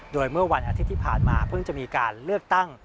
โดยเมื่อวันอาทิตย์ที่ผ่านมาเพิ่งจะมีการเลือกตั้ง